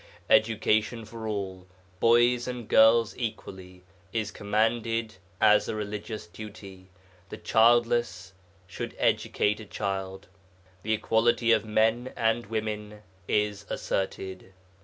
Education for all, boys and girls equally, is commanded as a religious duty the childless should educate a child. The equality of men and women is asserted.